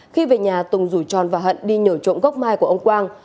khi về nhà tùng rủ tròn và hận đi nhổ trộm gốc mai của ông quang